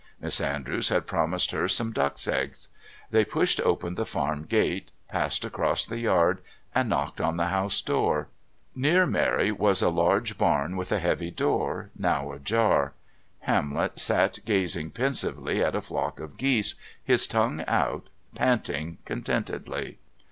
Miss Andrews had promised her some ducks' eggs. They pushed open the farm gate, passed across the yard and knocked on the house door. Near Mary was a large barn with a heavy door, now ajar. Hamlet sat gazing pensively at a flock of geese, his tongue out, panting contentedly.